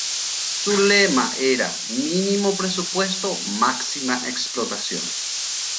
Su lema era "mínimo presupuesto, máxima explotación".